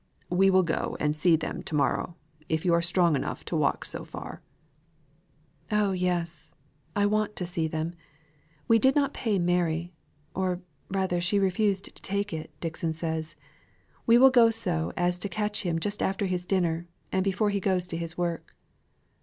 We will go and see them to morrow, if you are strong enough to walk so far." "Oh yes. I want to see them. We did not pay Mary or rather she refused to take it, Dixon says. We will go so as to catch him just after his dinner, and before he goes to his work."